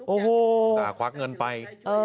โอ้โหควักเงินไป